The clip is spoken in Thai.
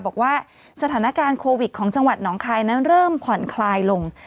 บอกว่าสถานการณ์โควิดของจังหวัดหนองคายนั้นเริ่มผ่อนคลายลง